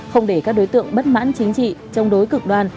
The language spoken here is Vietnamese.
không để các đối tượng bất mãn chính trị chống đối cực đoan